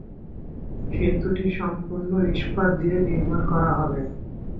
সেতুটি সম্পূর্ণ ইস্পাত দিয়ে নির্মাণ করা হবে।